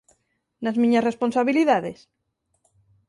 ...nas miñas responsabilidades?